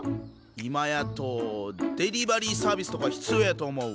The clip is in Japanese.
今やとデリバリーサービスとか必要やと思う！